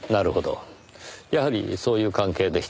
やはりそういう関係でしたか。